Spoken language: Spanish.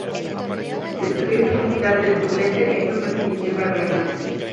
Destruir puertas del oponente es una condición para ganar.